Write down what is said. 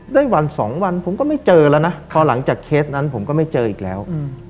ได้วันสองวันผมก็ไม่เจอแล้วนะพอหลังจากเคสนั้นผมก็ไม่เจออีกแล้ว